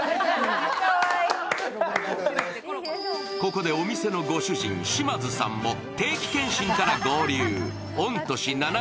ここでお店のご主人、島津さんも定期検診から合流。